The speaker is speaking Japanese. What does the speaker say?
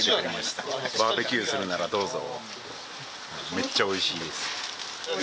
めっちゃおいしいです。